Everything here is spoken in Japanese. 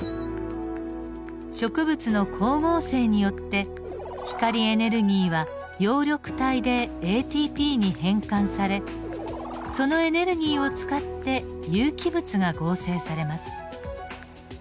植物の光合成によって光エネルギーは葉緑体でＡＴＰに変換されそのエネルギーを使って有機物が合成されます。